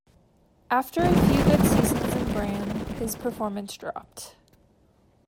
After a few good seasons in Brann, his performance dropped.